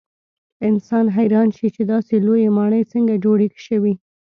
انسان حیران شي چې داسې لویې ماڼۍ څنګه جوړې شوې.